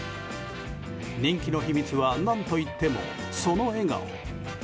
人気の秘密は何といっても、その笑顔。